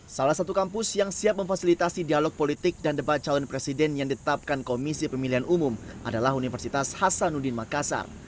salah satu kampus yang siap memfasilitasi dialog politik dan debat calon presiden yang ditetapkan komisi pemilihan umum adalah universitas hasanuddin makassar